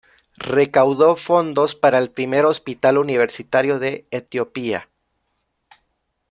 Recaudó fondos para el primer hospital universitario de Etiopía.